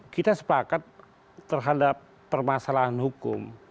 kita sepakat terhadap permasalahan hukum